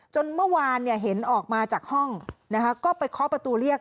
เมื่อวานเห็นออกมาจากห้องนะคะก็ไปเคาะประตูเรียก